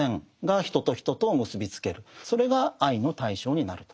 それが愛の対象になると。